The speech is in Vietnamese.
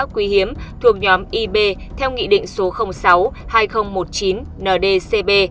quý hiếm thuộc nhóm ib theo nghị định số sáu hai nghìn một mươi chín nd cb